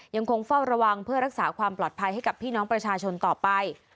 ยังคงเฝ้าระวังเพื่อรักษาความปลอดภัยให้กับพี่น้องประชาชนต่อไป